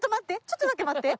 ちょっとだけ待って。